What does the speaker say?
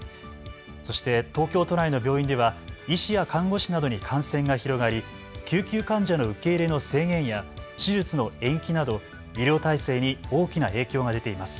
そして東京都内の病院では医師や看護師などに感染が広がり救急患者の受け入れの制限や手術の延期など医療体制に大きな影響が出ています。